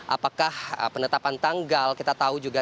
apakah penetapan tanggal kita tahu juga